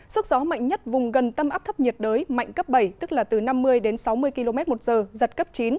sức gió mạnh nhất vùng gần tâm áp thấp nhiệt đới mạnh cấp bảy tức là từ năm mươi đến sáu mươi km một giờ giật cấp chín